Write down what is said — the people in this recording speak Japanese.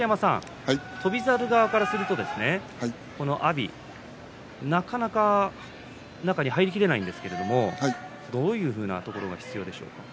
翔猿側からすると阿炎、なかなか中に入りきれないんですけれどもどういうふうなところが必要でしょうか？